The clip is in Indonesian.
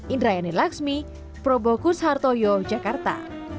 indra yani laxmi probokus hartoyo jakarta